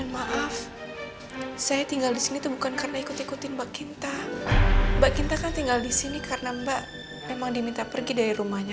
maaf saya tinggal disini tuh bukan karena ikut ikutin mbak kinta mbak kinta kan tinggal disini karena mbak emang diminta pergi dari rumahnya